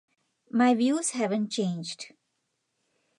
My views haven't changed.